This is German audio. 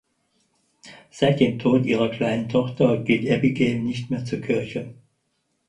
Seit dem Tod ihrer kleinen Tochter geht Abigail nicht mehr zur Kirche.